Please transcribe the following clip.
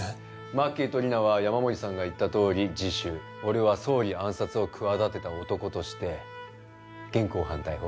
マッキーとリナは山守さんが言ったとおり俺は総理暗殺を企てた男として現行犯逮捕。